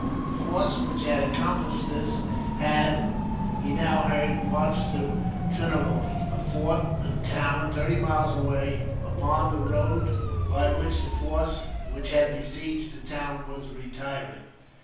The force which had accomplished this had, he now heard, marched to Trinavody, a fort and town thirty miles away, upon the road by which the force which had besieged the town was retiring.